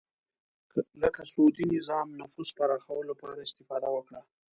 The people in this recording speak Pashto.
لکه سعودي نظام نفوذ پراخولو لپاره استفاده وکړه